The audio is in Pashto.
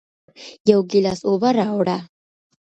یو گیلاس اوبه راوړه